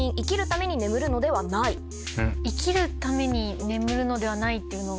「生きるために眠るのではない」っていうのが。